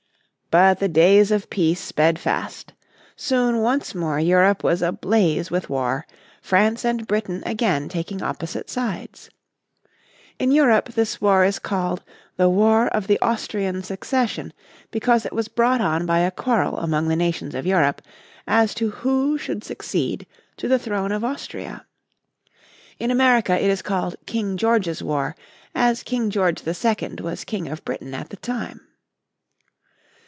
But the days of peace sped fast. Soon once more Europe was ablaze with war, France and Britain again taking opposite sides. In Europe this war is called the War of the Austrian Succession, because it was brought on by a quarrel among the nations of Europe as to who should succeed to the throne of Austria. In America it is called King George's War, as King George II was King of Britain at the time.